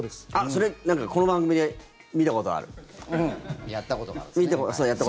それ、なんかこの番組で見たことある。